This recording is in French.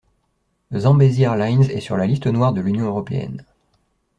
Zambezi Airlines est sur la liste noire de l'Union Européenne.